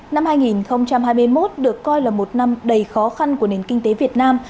năm hai nghìn hai mươi một được coi là một năm đầy khó khăn của nền kinh tế việt nam